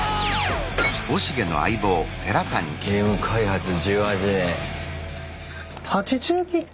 ゲーム開発１８年。